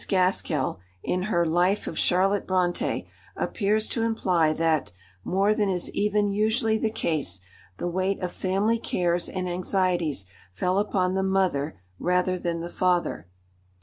Gaskell, in her Life of Charlotte Brontë, appears to imply that, more than is even usually the case, the weight of family cares and anxieties fell upon the mother rather than the father.